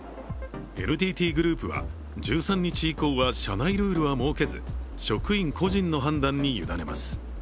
ＮＴＴグループは１３日以降は社内ルールは設けず職員個人の判断に委ねます。